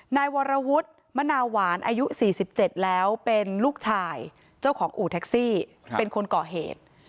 นายวรวุฒิมะนาหวานอายุ๔๗แล้วเป็นลูกชายเจ้าของอู่แท็กซี่เป็นคนก่อเหตุ